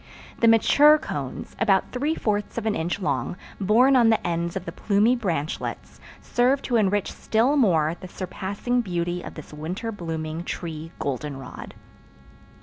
The mature cones, about three fourths of an inch long, born on the ends of the plumy branchlets, serve to enrich still more the surpassing beauty of this winter blooming tree goldenrod.